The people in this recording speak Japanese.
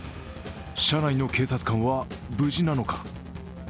車内の警察官は無事なのか。